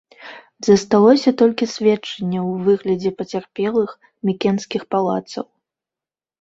Засталося толькі сведчанне ў выглядзе пацярпелых мікенскіх палацаў.